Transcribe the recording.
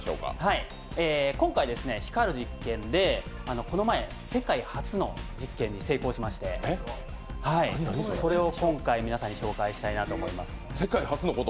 今回、光る実験でこの前、世界初の実験に成功しまして、それを紹介したいなと思います。